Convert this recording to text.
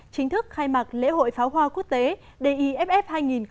chính thức khai mạc lễ hội pháo hoa quốc tế diff hai nghìn một mươi chín